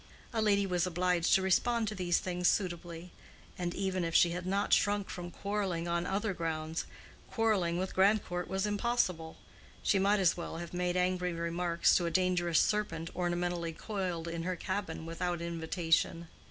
A lady was obliged to respond to these things suitably; and even if she had not shrunk from quarrelling on other grounds, quarreling with Grandcourt was impossible; she might as well have made angry remarks to a dangerous serpent ornamentally coiled in her cabin without invitation.